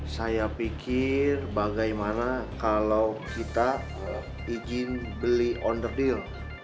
saya pikir bagaimana kalau kita izin beli onder deal